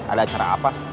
ada acara apa